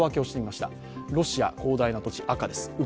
ロシア、広大な土地、赤です。